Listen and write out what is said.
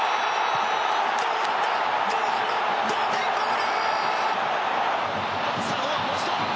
堂安が同点ゴール！